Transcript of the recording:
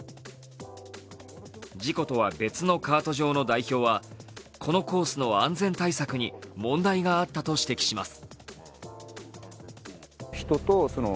事故とは別のカート場の代表は、このコースの安全対策に問題があったと指摘します。